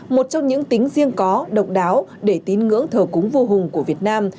một trong những tính riêng có độc đáo để tín ngưỡng thờ cúng vô hùng của việt nam